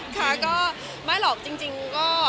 ค่ะก็ไม่หรอกจริงก็